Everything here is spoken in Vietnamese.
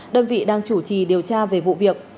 đơn vị đang chủ trì điều tra về vụ việc